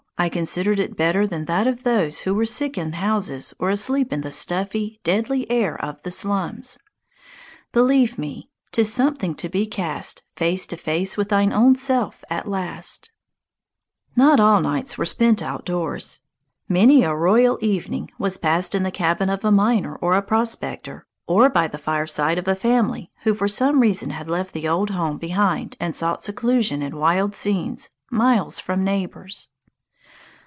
I considered it better than that of those who were sick in houses or asleep in the stuffy, deadly air of the slums. "Believe me, 'tis something to be cast Face to face with thine own self at last." [Illustration: A MAN WITH A HISTORY] Not all nights were spent outdoors. Many a royal evening was passed in the cabin of a miner or a prospector, or by the fireside of a family who for some reason had left the old home behind and sought seclusion in wild scenes, miles from neighbors.